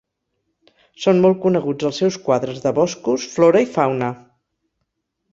Són molt coneguts els seus quadres de boscos, flora i fauna.